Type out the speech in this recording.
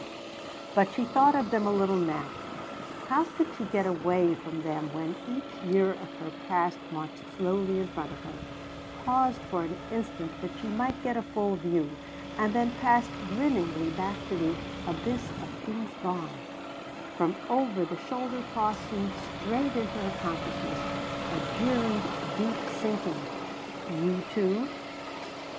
But she thought of them a little now. How could she get away from them when each year of her past marched slowly in front of her, paused for an instant that she might get a full view, and then passed grinningly back to the abyss of things gone, from over the shoulder tossing straight into her consciousness a jeering, deep sinking "_You too?